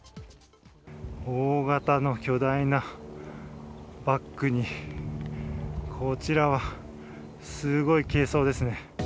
大型の巨大なバッグにこちらはすごい軽装ですね。